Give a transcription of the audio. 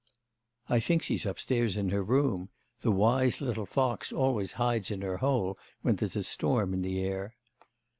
'I think she's upstairs in her room. The wise little fox always hides in her hole when there's a storm in the air.